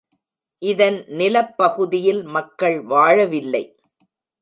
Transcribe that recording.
இதன் நிலப்பகுதியில் மக்கள் வாழவில்லை.